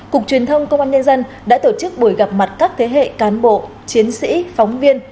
cục truyền thông công an nhân dân đã tổ chức buổi gặp mặt các thế hệ cán bộ chiến sĩ phóng viên